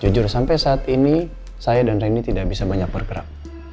jujur sampai saat ini saya dan reni tidak bisa banyak bergerak